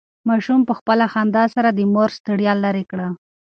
ماشوم په خپله خندا سره د مور ستړیا لرې کړه.